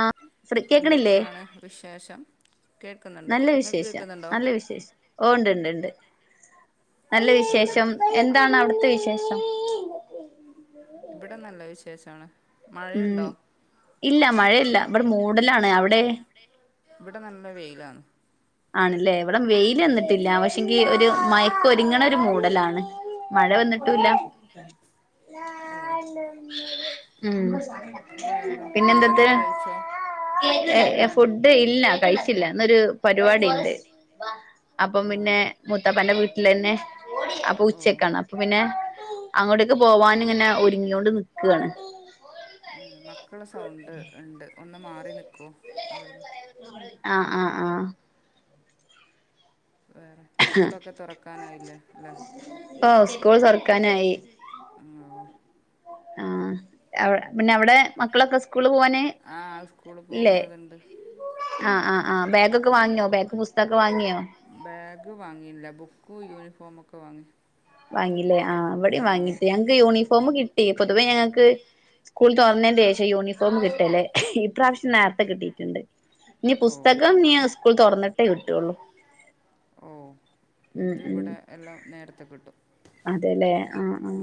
ആഹ് free കേക്കണില്ലേ എന്തൊക്ക്യാണ് വിശേഷം? കേൾക്കുന്നുണ്ട് നല്ല നിങ്ങൾക്ക് വിശേഷം കേൾക്കുന്നുണ്ടോ നല്ല വിശേഷം ഓഹ് ഇണ്ട്ണ്ട്ണ്ട്ണ്ട് നല്ല വേറെ വിശേഷം എന്താണ് അവ്ട്ത്തെ വിശേഷം? ഇബടെ നല്ല വിശേഷാണ് ഉം ഇല്ല മഴ ഇല്ല ഇവടെ മൂടലാണ് അവ്ടെ? ഇവടെ നല്ല വെയിലാണ് ആണ്ല്ലേ ഇവിടെ വെയില് വന്നിട്ടില്ല പക്ഷെങ്കി ഒരു മയക്കൊര്ങ്ങ്ണെ ഒരു മൂടലാണ് മഴ വന്നുട്ടൂല്ല ഓ ഉം വേറെ ഫുഡ്ഡൊക്കെ കഴിച്ചോ? എ എ ഫുഡ്ഡ് ഇല്ല കഴിച്ചില്ല ഇന്നൊരു പരുവാടിണ്ട് അപ്പം ഓ പിന്നെ മുത്താപ്പന്റെ വീട്ലെന്നെ അപ്പൊ ഓ ഉച്ചക്കാണ് അപ്പൊ പിന്നെ അങ്ങോട്ടേക്ക് പോവാന് ഇങ്ങനെ ഒര്ങ്ങ്യോണ്ട് നിക്കാണ് മക്കളെ സൗണ്ട് ഇണ്ട് ഒന്ന് മാറി നിക്കൊ അവിട്ന്ന്? ആഹ് ആഹ് ആഹ് വേറെ സ്കൂളൊക്കെ തൊറക്കാനായില്ലേ അല്ലേ? ഓ സ്കൂൾ ആഹ് സ്കൂള് തുറക്കാനായി തൊറക്കാനായി ആഹ് ആഹ് അവ് പിന്നവ്ടെ മക്കളൊക്കെ സ്കൂള് പോവാന് ആഹ് സ്കൂള് ഇല്ലേ പോകുന്നത്ണ്ട് ആഹ് ആഹ് ആഹ് ബാഗൊക്കെ വാങ്ങ്യോ ബാഗ് പുസ്തക്കെ വാങ്ങ്യോ? ബാഗ് വാങ്ങില്ല ബുക്കു യൂനിഫോമൊക്കെ വാങ്ങി വാങ്ങിലെ ആഹ് ഇവിടെയും ആ വാങ്ങീല്ല ഞങ്ങക്ക് യൂണിഫോം കിട്ടി പൊതുവേ ഞങ്ങക്ക് സ്കൂൾ തൊറന്നതിന്റെ ശേഷാ യൂണിഫോം കിട്ടല് ഇപ്രാവിശ്യം നേരത്തെ കിട്ടിയിട്ട്ണ്ട് ഇഞ് ഓ പുസ്തകം ഇഞ് സ്കൂൾ തൊറന്നിട്ടേ കിട്ടൊള്ളു ഉം ഇത് ഇവിടെ എല്ലാം നേരത്തെ കിട്ടും അതേല്ലേ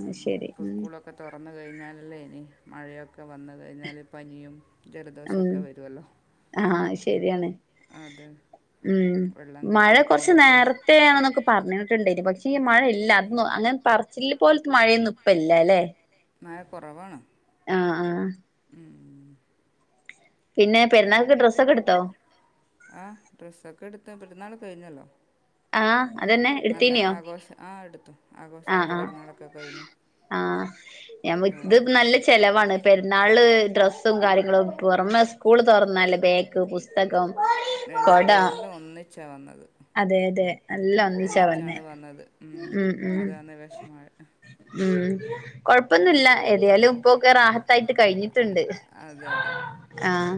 ആഹ് ഇപ്പൊ സ്കൂളൊ ക്കെ തൊറന്ന് കഴിഞ്ഞാലല്ലേ ഇനി മഴയൊക്കെ വന്ന് കഴിഞ്ഞാല് പനിയും ജലദോഷോക്കെ വരുവല്ലോ? ആഹ് അഹ് ശരിയാണ് ഉം വെള്ളം മഴ കൊറച്ച് കിട്ടിയിരിക്കുമ്പോഴൊക്കെ നേരത്തെ ആണെന്നൊ പറഞ്ഞിട്ട് ഇണ്ടേനു പക്ഷെ ഈ മഴയില്ല അതു അങ്ങനെ പറച്ചില് പോലത്തെ മഴയൊന്നും ഇപ്പൊ ഇല്ല ല്ലെ? മഴ കൊറവാണ് ആഹ് ആഹ് ഉം പിന്നെ പെരുന്നാൾക് ഡ്രസ്സൊക്കെ എടുത്തോ? ആഹ് ഡ്രസ്സൊക്കെ എടുത്ത് പെരുന്നാള് കഴിഞ്ഞല്ലോ? ആ അതന്നെ ആഹ് നല്ല എടുത്തീനിയോ ആഘോഷം ആഹ് എടുത്തു ആ ആഘോഷായിട്ട് ആ പെരുന്നാളൊക്കെ കഴിഞ്ഞു ആഹ് ഞമ് ആ, ഇത് നല്ല ചെലവാണ് പെരുന്നാള് ഡ്രസ്സും കാര്യങ്ങളും പൊറമെ സ്കൂള് തൊറന്നാല് ബാഗ് പുസ് സ്തകം കൊട രണ്ടും എല്ലാം ഒന്നിച്ചാണ് വന്നത് അതെ അതെ എല്ലാം ഒന്നിച്ചാ വന്നെ ഒന്നിച്ചാണ് വന്നത് ഉം ഉം അതാണ് വിഷമമായ ഉം കൊഴപ്പൊന്നുല്ല ഏതായാലും ഇപ്പൊക്കെ റാഹത്തായിട്ട് കഴിഞ്ഞി ട്ട്ണ്ട് അതെ അതെ ആഹ്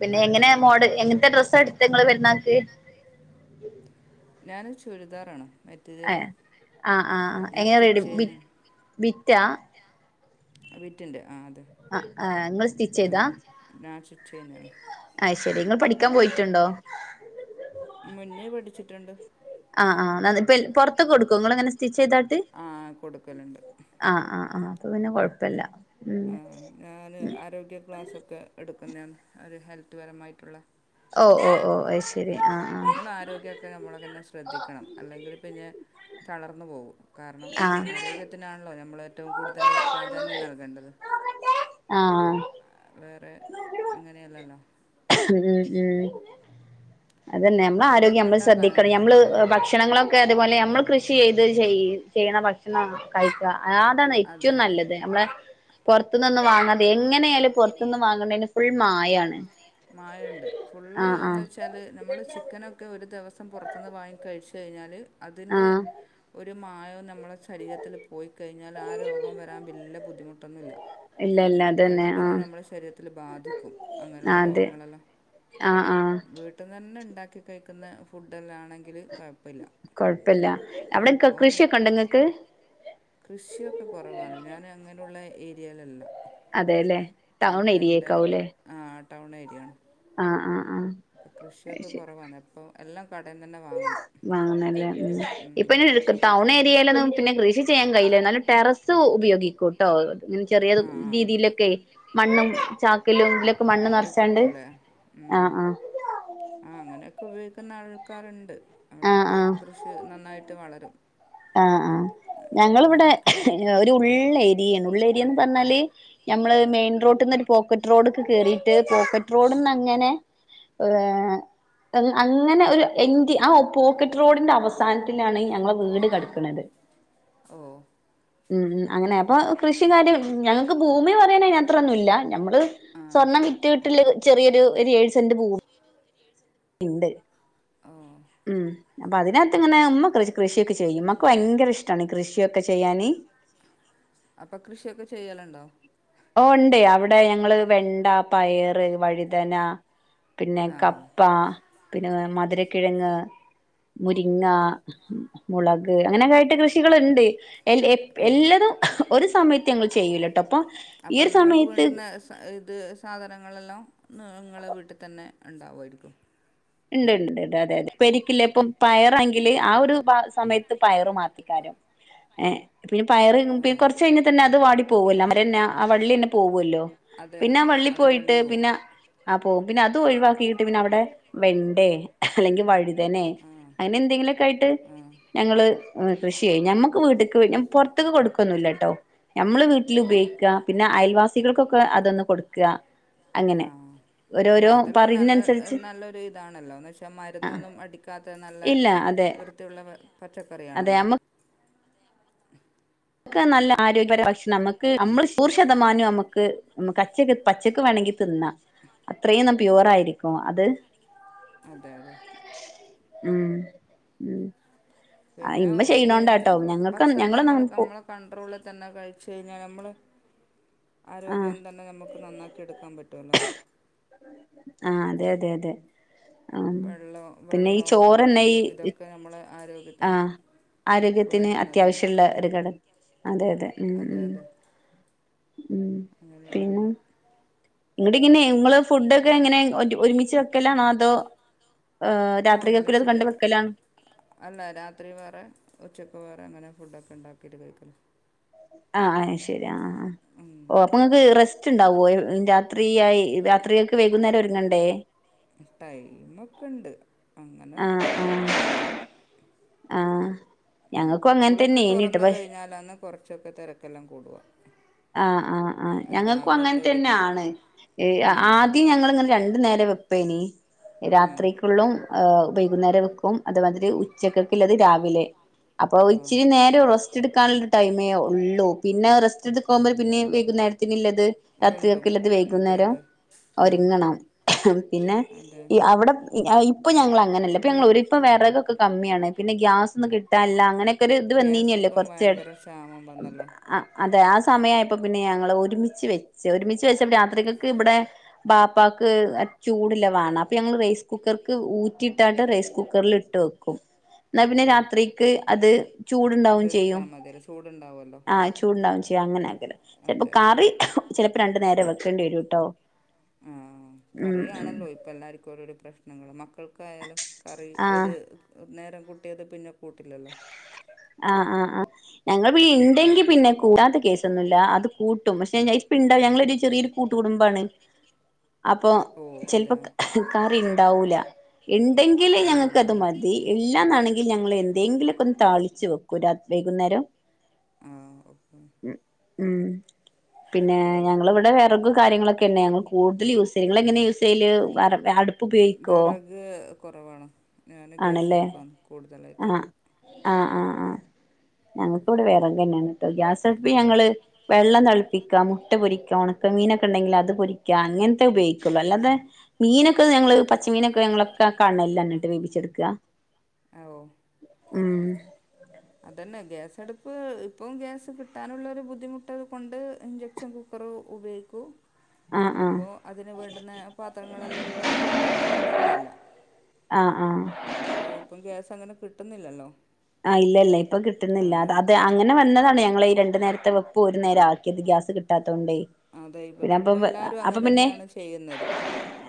പിന്നെ എങ്ങനെ മോഡ നല്ലതിലാണ് എങ്ങനത്തെ ഡ്രസ്സാ എടു [unintelligible] നിങ്ങൾ പെരുന്നാൾക് ഞാൻ ചുരിദാറാണ് തില് ഏഹ് ആഹ് ആഹ് ഞാൻ എങ്ങനെ റെഡി സ്റ്റിച്ച് ബി ചയ്തിന് ബിറ്റാ [inaudible] വീറ്റിന്റെ ആഹ് അതെ ആഹ് ആഹ് ഇങ്ങള് സ്റ്റിച്ച് ചെയ്താ അഹ് ഞാൻ [inaudible] സ്റ്റിച്ച്ചയ്താ അയ് ശരി നിങ്ങൾ പഠിക്കാൻ പോയിട്ടുണ്ടോ മുന്നേ പഠിച്ചിട്ടുണ്ട് ആഹ് ആഹ് അതെ പുറത്തൊക്കെ കൊടുക്കും നിങൾ എങ്ങനെ സ്റ്റിച്ച് ചെയ്താട്ട് ആ കൊടുക്കലുണ്ട് ആഹ് ആഹ് അപ്പൊ പിന്നെ കുഴപ്പില ഞാന് ആരോഗ്യ ക്ലാസ്സൊക്കെ എടുക്കുന്നണ് ഒരു ഹെൽത്ത്പരമായിട്ടുളെ ഓഹ് ഓഹ് ഓഹ് അയു ശരി അഹ് അഹ് ആരോഗ്യ ഒക്കെ നമ്മള തന്നെ ശ്രദ്ധിക്കണം അല്ലെങ്കിൽ പിന്നെ തളർന്നു പോകും കാരണം ആഹ് ആഹ് ആരോഗ്യത്തിനാണല്ലോ നമ്മൾ ഏറ്റവും കൂടുതൽ പ്രാധാന്യം നൽകേണ്ടത് നോക്കട്ടെ അഹ് വേറെ അങ്ങനെയല്ലല്ലോ ഉം ഉം അതന്നെ നമ്മള് ആരോഗ്യം ഫുഡൊക്കെ നമ്മള് ശ്രദ്ധിക്കണം ഉണ്ടാക്കാനാണ് നമ്മള് ഭക്ഷ ക്ഷണങ്ങളൊക്കെ അതുപോലെ നമ്മൾ കൃഷി ചെയ്ത് ചെയ ചെയ്യണ ഭക്ഷണം കഴിക്ക അ അതാണ് ഏറ്റവും അതെ നല്ലത് നമ്മളെ പുറത്തു നിന്ന് വാങ്ങാതെ എങ്ങനെയാലും പുറത്തു നിന്ന് വാങ്ങനെനു ഫുൾ മാ മായുണ്ട് ഫുള്ള് ആഹ് എന്നു ആഹ് വെ ച്ചാൽ നമ്മൾ ചിക്കൻകെ ഒരു ദിവസം പുറത്തു നിന്ന് വാങ്ങി കഴിച്ചു കഴിഞ്ഞാൽ അതിന്റെ ആഹ് ഒരു മായം നമ്മളുടെ ശരീരത്തില് പോയിക്കഴിഞ്ഞാല് ആ രോഗം വരാൻ വലിയ ബുദ്ധിമുട്ടൊന്നില്ല ഇല്ല ഇല്ല അതന്നെ പെട്ടെന്ന് ആഹ് നമ്മുടെ ശരീരത്തിൽ ബാധിക്കും അങ്ങനെയുള്ള ആഹ് അതെ രോഗങ്ങളെല്ലാം ആഹ് ആഹ് വീ ട്ടിനെന്നെ ഉണ്ടാക്കി കഴിക്കുന്ന ഫുഡലോ ആണെങ്കിൽ കുഴപ്പില്ല കുഴപ്പില്ല അവിടെ കൃഷിയൊക്കെ ഉണ്ടോ നിങ്ങൾക്ക് കൃഷിയൊക്കെ കുറവാണ് ഞാൻ അങ്ങനെയുള്ള ഏരിയലല്ല അതെല്ലേ ടൗൺ അപ്പൊ എന്റെ ഏരിയേക്കാവൂല്ലേ അഹ് ടൗൺ ഏരിയ ആണ് ആഹ് ആഹ് ആഹ് അപ്പം കൃഷിയൊക്കെ അയ്ശെരി കുറവാണ് അപ്പം എല്ലാം കടയിൽ നിന്ന് തന്നെ വാങ്ങണം വാങ്ങാണം ല്ലേ ഉം ഇപ്പൊഞാൻ അപ്പം ടൗൺ അവിടെ ഏരിയയിലാണ് പിന്നെ കൃഷി ചെയ്യാൻ കയ്യില്ലെന്നാലും ടെറസ് ഉപയോഗിക്കൂട്ടോ [unintelligible] ചെറിയ ആ രീതിയിലൊക്കെയേ മണ്ണും ചാക്കിലും ഇതിലൊക്കെ മണ്ണ് നെറച്ചാണ്ട് ഇട്ടിട്ടല്ലേ ഉം അഹ് അങ്ങനെയൊക്കുപയോഗിക്കുന്ന ആൾക്കാര്ണ്ട് ആഹ് അവിടെയൊക്കെ ആഹ് കൃഷി നന്നായിട്ട് വളരും ആഹ് ആഹ് ഞങ്ങളിവിടെ അങ്ങനെയൊക്കെ ഒരു ഉള്ളേര്യയാണ് ഉള്ളേര്യാന്ന് പറഞ്ഞാല് നമ്മള് മെയിൻ റോട്ട്ന്നൊരു പോക്കറ്റ് റോഡ്ക്ക് കേറിയിട്ട് പോക്കറ്റ് റോഡ്ന്നങ്ങനെ ഏഹ് അങ്ങനെ ഒരു എന്റ് ആ [unintelligible] പോക്കറ്റ് റോഡിന്റെ അവസാനത്തിലാണ് ഞങ്ങള വീട് കെടക്ക്ണത് ഓഹ് ഉം ഉം അങ്ങനെ അപ്പൊ കൃഷിം കാര്യം ഞങ്ങക്ക് ഭൂമി പറയാനയിനത്രൊന്നില്ല നമ്മള് ആ സ്വർണ്ണം വിറ്റ്ട്ടല് ചെറിയൊരു ഒരു ഏഴ് സെന്റ് ഭൂമി [inaudible] ഇണ്ട് ഓ ഉം അപ്പൊ അതിനകത്ത്ങ്ങനെ ഞമ്മ കൃഷി കൃഷിയൊക്കെ ചെയ്യും ഞമ്മക്ക് ഭയങ്കരിഷ്ടാണ് കൃഷിയൊക്കെ ചെയ്യാന് അപ്പൊ കൃഷിയൊക്കെ ചെയ്യലുണ്ടോ ഓഹ് ഇണ്ട് അവിടെ ഞങ്ങള് വെണ്ട പയറ് വഴ്തന പിന്നെ ആ കപ്പ പിന്നെ മധുരക്കിഴങ്ങ് മുരിങ്ങ, മുളക് അങ്ങനെയൊക്കായിട്ട് കൃഷികളുണ്ട്. എന്റെ എപ് ആ എല്ലതും ഒരു സമയത്ത് ഞങ്ങൾ ചെയ്യൂലട്ടോ ഇപ്പൊ അപ്പൊ നിങ്ങക്ക് വേണ്ടുന്ന ഇത് സാധനങ്ങളെല്ലാം നിങ്ങളെ വീട്ട്ത്തന്നെ ഇണ്ടാവുആയിരിക്കും ഇണ്ട്ണ്ട്ണ്ട് അതെയതെ ഉപ്പേരിക്ക് ഉള്ള ഇപ്പം പയറാണെങ്കില് ആ ഒരു സമയ ത്ത് പയറ് മാത്തിക്കാരും പിന്നെ പയറ്ണ്ട് ആ കൊറച്ച് കഴിഞ്ഞാതന്നെ അത് വാടി പോവല്ലോ, ആ മരന്നെ ആ വള്ളിയെന്നെ പോവല്ലോ? അതെ പിന്നാ വള്ളി അതെ പോയിട്ട് പോവും പിന്നെ ആഹ് പോകും, പിന്നെ അത് ഒഴിവാക്കിയിട്ട് പിന്നവിടെ വെണ്ടേ അല്ലെങ്കില് വഴുതനെ ആ അങ്ങനെ എന്തെങ്കിലൊക്കായിട്ട് ആ ഞങ്ങള് കൃഷി ചെയ്യും. ഞമ്മക്ക് വീട്ടക്ക് പൊറത്ത്ക്ക് കൊട് ക്കൊന്നില്ലാട്ടോ നമ്മള് വീട്ടില് ഉപയോഗിക്ക പിന്നെ അയൽവാസികൾക്കൊക്കെ അത്ന്ന് കൊട്ക്ക അങ്ങനെ ആഹ് അല്ല ഓരോരോ അതെല്ലാം നല്ല പറിയുന്നതിനനുസരിച്ച് നല്ലൊരു ഇതാണല്ലോ എന്ന് വച്ചാൽ മരുന്നൊന്നും അടിക്കാത്ത നല്ല ഇല്ല അതെ വൃത്തിയുള്ള അതെ പച്ചക്കറിയണല്ലോ? നമ്മക്ക് നമുക്ക് നല്ല ആരോഗ്യപരമായ ഭക്ഷണം ന. മുക്ക് നമ്മള് നൂറ് ശതമാനം നമുക്ക് നമക് അചേക്ക് പച്ചക്ക് വേണെങ്കി തിന്ന അത്രയും പ്യൂവറായിരിക്കും അത് അതെ അതെ മം പിന്നെ പി ഞങ്ങൾക്ക് ഭക്ഷണം ഞങ്ങളൊന്നും നമ്മള് അങ്ങനെ പോ നമ്മള് കൺട്രോളിൽ തന്നെ കഴിച്ച് കഴിഞ്ഞാൽ, നമ്മള് ആഹ് ആരോഗ്യം തന്നെ നമ്മ്ക്ക് നന്നാക്കി എടുക്കാൻ പറ്റുമല്ലോ ആഹ് അതെയതെയതെ ആഹ് വെള്ളം പിന്നെ ഈ വെള്ളം ചോറെന്നെ ഉറക്ക് ഈ ഇതൊക്കെ നമ്മളെ ആരോഗ്യത്തിന് ആഹ് ആരോഗ്യത്തിന് വേണ്ടുന്നതാണ് അത്യാവശ്യള്ള ഒരു ഘടകം അതെയതെ മം അതെ മം അതെ മം അങ്ങനെയാണ് വരാ ഇത്ങ്ങനെ ഇങ്ങള് ഫുഡൊക്കെ എങ്ങനെ ഒരുമിച്ച് വെക്കലാണോ അതോ ഏഹ് ആ രാത്രികക്ക് ഒരുമിച്ചിട്ട് ഇല്ലത്കണ്ട് വെക്കലാ അല്ല രാത്രി വേറെ ഉച്ചക്ക് വേറെ അങ്ങനെ ഫുഡെക്കെ ഇണ്ടാക്കിട്ട് കഴിക്കല് ആഹ് അത് ശെരി ആഹ് ആ ആ ഉം ഓ അപ്പോ ഇങ്ങക്ക് റെസ്റ്റ്ണ്ടാവോ രാത്രിയായി രാത്രിയെക്ക് വൈകുന്നേരം ഒരുങ്ങണ്ടേ ടൈമൊക്കെ ഉണ്ട് അങ്ങനെ ആഹ് ആഹ് കൊഴപ്പൊന്നുല്ല ആഹ് ഇനി ഇപ്പോ ഞങ്ങക്കും അങ്ങൻ സ്കൂളൊക്കെ തന്നേനിട്ടോ തുറന്നു കഴിഞ്ഞാൽ പ കയിഞ്ഞാലാണ് കുറച്ചൊക്കെ തിരക്കെല്ലാം കൂടുക ആഹ് ആഹ് ആഹ് ആ, ഞങ്ങൾക്കും രാവിലത്തെ അങ്ങനെ ഒരു തിരക്ക് തന്നെയാണ് ഈ ആ ആദ്യം ഞങ്ങളിങ്ങനെ രണ്ടു നേരം വെപ്പേനി ആ രാത്രിക്കുള്ളും വൈകുന്നേരം വെക്കും അതുമാതിരി ഉ ഉച്ചക്കക് ഉള്ളത് രാവിലെ. അപ്പൊ ആ ഇച്ചിരി നേരെ റസ്റ്റ് എടുക്കാനുള്ളരു ടൈമേ ഉള്ളൂ. പിന്നെ റസ്റ്റ് ഇടക്കു പോകുമ്പോൾ പിന്നെ വൈകുന്നേരത്തിന് ഉള്ളത് വീണ്ടും രാത്രികക്ക് ഉള്ളത് അതെ വൈകുന്നേരം അതെ ആ ഒരുങ്ങണം പിന്നെ അതെ ഈ അവിടെ ഇപ്പൊ ഞങ്ങൾ അങ്ങനെയല്ല ഇപ്പൊ ഞങ്ങൾ അങ്ങനെഅല്ല ഇപ്പോ ഞങ്ങൾ ഒര് ഇപ്പൊ വെറകൊക്കെ കമ്മിയാണ് പിന്നെ ഗ്യാസൊന്നും കിട്ടാനില്ല അങ്ങനെ ഒര്‌ ഇത് ഗ്യാസ് വന്നീനല്ലേ ഇപ്പം കൊറച്ച് ഭയങ്കര ക്ഷാമം വന്നല്ലോ അതെ സമയമായപ്പോ പിന്നെ ഞങ്ങള് ഒരുമിച്ച് വെച്ച് ഒരുമിച്ച് വെച്ച രാ രാത്രികക്ക് ഇബടെ ബാപ്പാക്ക് ചൂട് ഉള്ളത് വേണം അപ്പൊ ഞങ്ങള് റൈസ് കുക്കർ ക്ക് ഊറ്റി ഇട്ടാണ്ട് റൈസ് കുക്കറിൽ ഇട്ട് വെക്കും. എന്നാൽ ഓ പിന്നെ രാത്രിക്ക് അത് ചൂടുണ്ടാവും ചെയ്യും അതെടുത്താൽ മതിയല്ലോ ചൂടുണ്ടാവുമല്ലോ ആ ചൂട്ണ്ടാവും ചെയ്യും അങ്ങനെ ആക്കൽ ചെലപ്പോ അതെ അതെ കറി ചിലപ്പോ രണ്ടു നേരം വെക്കേണ്ടി വരുട്ടോ ആ കറിയാണല്ലോ അപ്പോ എല്ലാർക്കും ഒരോരോ പ്രശ്നങ്ങളും മക്കൾക്കായാലും കറി ആ ഒരു നേരം കുട്ടിയത് പിന്നെ കൂട്ടില്ലല്ലോ ആഹ് ആ ആ ഞങ്ങൾ പി ഇണ്ടെങ്കി പിന്നെ കൂട്ടാത്ത കേസൊന്നുയില്ല അത് കൂട്ടും പക്ഷെ ഇപ്പോ ഇണ്ടോ ഞങ്ങള്ളൊരു ചെറിയൊരു കൂട്ടുകുടുംബമാണ് അപ്പൊ ഓ അതെ ചിലപ്പ അപ്പൊ കറി ഉണ്ടാവൂല കറി ഉണ്ടാവൂല. ഇണ്ടെങ്കിൽ ഓ ആ ഞങ്ങൾക്കത് ഉണ്ടെങ്കിൽ മതി ഞങ്ങൾക്ക് ഇല്ലാന്നാണെങ്കിൽ ഞ ങ്ങൾ എന്നാന്നാണെങ്കിൽ എതെങ്കിലൊക്കെ ഒന്ന് താളിച്ച് വെക്കും രാ താളിച്ച് വെക്കും. വൈകുന്നേരം അന്നേരം ആ ഓക്കെ ഉ ഉം പിന്നെ ഞങ്ങള് ഇവടെ വിറക് കാര്യങ്ങളൊക്കെ തന്നെ ഞങ്ങൾ കൂടുതൽ യൂസ് ചെയ്യൽ ഇങ്ങൾ എങ്ങനെ യൂസ് ചെയ്യല് അടു പ്പ് ഉപയോഗിക്കോ ക്ക് കുറവാണ് ഞാൻ ഗ്യാസ് അടുപ്പാന്ന് ആ ആ ആ ആഹ് ഞങ്ങക്ക് ഇവടെ വിറക്ന്നെയാണ് ട്ടോ ഗ്യാസ് ഗ്യാസ് അടുപ്പ് ഞങ്ങള് വെള്ളം തിളിപ്പിക്കാം മുട്ട പൊരിക്കാം ഉണക്ക മീനൊക്കെ ഇണ്ടെങ്കിൽ അത് പൊരിക്കാം അങ്ങനത്തെ ഉപയോഗിക്കുള്ളു അല്ലാതെ മീനൊക്കെ ഞങ്ങള് പച്ചമീനൊക്കെ ഞങ്ങളൊക്കെ കണൽലെന്നെ ആണ് ഇട്ട് വേവിച്ചെടുക്ക ആഓ ഉം അതന്നെ ഗ്യാസ അടുപ്പ് ഇപ്പം ഗ്യാസ് കിട്ടാനുള്ള ഒരു ബുദ്ധിമുട്ട് കൊണ്ട് ഇഞ്ചക്ഷൻ കു കുക്കറും ഉപയോഗിക്കും ആഹ് ആഹ് അപ്പോൾ അതിന് വേണ്ടുന്ന പാത്രങ്ങളെല്ലാം ഉള്ളത് കൊണ്ട് പ്രശ്നം ഇല്ല ആഹ് ആഹ് അപ്പോ ഇപ്പം ഗ്യാസ് അങ്ങനെ കിട്ടുന്നില്ലല്ലോ ആ ഇല്ല ഇല്ല ഇപ്പൊ കിട്ടുന്നില്ല അ ആഹ് അത് അങ്ങനെ വന്നതാണ് ഞങ്ങളെ ഈ രണ്ടു നേരത്തെ വെ ഇപ്പോൾ ഒരു നേരം ആക്കിയത് ഗ്യാസ് കിട്ടാത്തതോണ്ട് അതെ ഇപ്പത് ഇപ്പ എല്ലാരും അങ്ങനെ തന്നെയാണ് ചെയ്യുന്നത്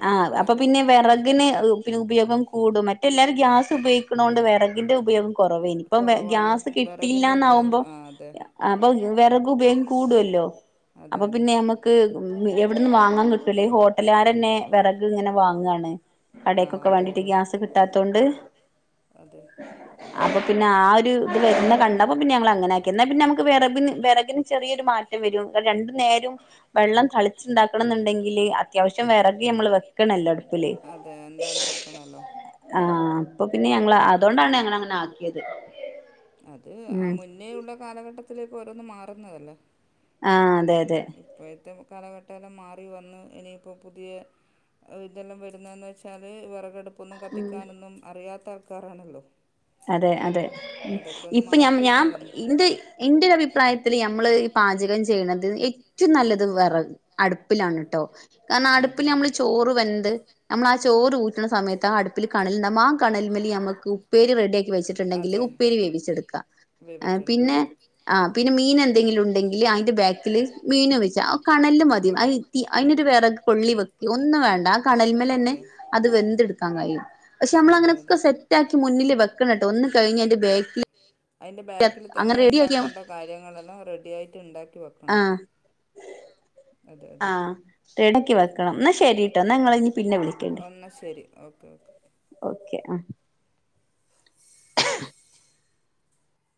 ആഹ് അപ്പൊ എല്ലാരും പിന്നെ വിറകിന് പിന്നെ ഉപയോഗം കൂടും മറ്റെല്ലരും ഗ്യാസ് ഉപയോഗിക്കുന്നതോണ്ട് വിറകിന്റെ ഉപയോഗം കുറവേനി ഇപ്പം കുറവാണ് ഗ്യാസ് വിറകിൻ്റെ കിട്ടിയില്ലന്നാവുമ്പോ ഉപയോഗം ആ അതെ അപ്പൊ വിറക്ക് ഉപയോഗം കൂടുല്ലോ അതെ അപ്പൊ അതെ പിന്നെ നമ്മുക്ക് എവിടന്നും വാങ്ങാൻ കിട്ടൂലേ ഹോട്ടലുകാരന്നെ വിറക് ഇങ്ങനെ വാങ്ങാണ് ആ കടെക്കൊക്കെ അതെ വേണ്ടിട്ട് അതെ ഗ്യാസ് കിട്ടാത്തൊണ്ട് അതെ അപ്പൊ പിന്നെ ആ ഒരു ഇത് വരുന്ന കണ്ടപ്പോ പിന്നെ ഞങ്ങൾ അങ്ങനെയാക്കി ന്നാ പിന്നെ നമുക്ക് വിറകിന് വിറകിന് ചെറിയൊരു മാ റ്റ വരും രണ്ടു നേരം വെള്ളം തളിച്ചുണ്ടാക്കണം എന്നുണ്ടെങ്കില് അത്യാവശ്യം വിറകി നമ്മള് വെക്കണല്ലോ അടുപ്പില് അതെ എന്തായാലും വെക്കണമല്ലോ ആഹ് അപ്പൊ പിന്നെ ഞങ്ങൾ അതുകൊണ്ടാണ് ഞങ്ങൾ അങ്ങനെ ആക്കിയത് അത് ആ ഉം മുന്നേള്ള കാലഘട്ടത്തിലേക്ക് ഓരോന്ന് മാറുന്നതല്ലേ ആ അതെ അതെ ഇപ്പോഴത്തെ കാലഘട്ടല്ലാം മാറി വന്ന് ഇനിയിപ്പോൾ പുതിയ ഇതെല്ലാം വരുന്നന്ന് വെച്ചാല് വിറകടുപ്പൊന്നും കത്തിക്കാനൊന്നും അറിയാത്ത ആൾക്കാാരാണല്ലോ അതെ അതെ ഇപ്പ ഞാ മാറി ഞാം തിരിഞ്ഞ് വന്നു ഇന്റെ ഇന്റോര് അഭിപ്രായത്തില് നമ്മള് ഈ പാചകം ചെയ്യ്ണത് ഏറ്റവും നല്ലത് വെറ അടുപ്പിലാണ് ട്ടോ കാരണം അടുപ്പില് അതെ നമ്മള് അതെ ചോറ് വെന്ത് നമ്മള് ആ ചോറ് ഊറ്റ്ണ സമയത്ത് ആ അട്പ്പില് കണല്ണ്ടാവുമ്പോ ആ കണല്മ്മല് നമ്മക്ക് ഉപ്പേരി റെ ക്കി വെച്ച്ട്ട്ണ്ടെങ്കിൽ അതെ ഉപ്പേരി വേവിച്ചെട്ക്ക വേവിച്ചെടുക്കുക പിന്നെ ആഹ് പിന്നെ മീനെന്തെങ്കിലും ഉണ്ടെങ്കില് അയിന്റെ ബേക്കില് മീന് വെച്ചാ കണലില് മതി വെക്ക അത് തീ അയിനൊരു വെറക് കൊള്ളി വെക്കെ ഒന്നും വേണ്ട ആ കണല്മ്മലെന്നെ അതെ അത് വെന്ത്‌ട്ക്കാൻ കഴിയും പക്ഷെ നമ്മള് അതെ അങ്ങനൊക്കെ അതെ സെറ്റാക്കി മുന്നില് വെക്കണട്ടോ ഒന്ന് കഴിഞ്ഞ് അയിന്റെ ബേക്കി അയിന്റെ ബേക്കില് തന്നെ ഇണ്ടാക്കണ്ട കാര്യങ്ങളെല്ലാം റെഡിയായിട്ട് ഇണ്ടാക്കി വെ ആഹ് അതെ അതെ ആഹ് റെഡിയാക്കി വെക്കണം ഇന്നാ ശെരിട്ടോ ഇന്നാ ഇങ്ങള് ഇഞ്ഞ് പിന്നെ വിളി എന്നാ ശെരി ഓക്കെ ഓക്കെ ഓക്കെ ആഹ്